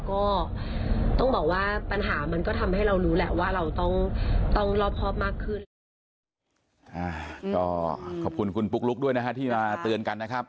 ก็ต้องบอกว่าปัญหามันก็ทำให้เรารู้แหละว่าเราต้องรอบครอบมากขึ้น